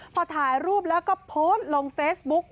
พอถ่ายรูปแล้วก็โพสต์ลงเฟซบุ๊ก